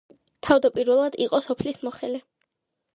თავდაპირველად იყო სოფლის მოხელე.